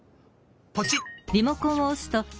ポチッ！